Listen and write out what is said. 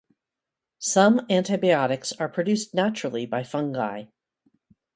Some antibiotics are produced naturally by fungi.